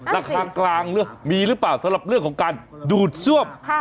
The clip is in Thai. ราคากลางมีหรือเปล่าสำหรับเรื่องของการดูดซ่วม